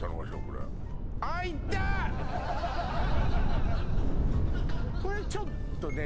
これこれちょっとね